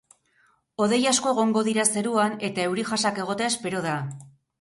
Hodei asko egongo dira zeruan eta euri-jasak egotea espero da.